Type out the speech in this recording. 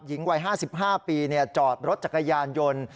หญิงวัย๕๕ปีจอดรถจักรยานยนต์